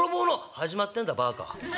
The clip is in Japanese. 「始まってんだバカ。